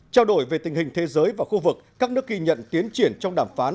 trao đổi về tình hình thế giới và khu vực các nước ghi nhận tiến triển trong đàm phán